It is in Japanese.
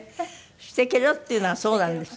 「してけろ」っていうのがそうなんですね。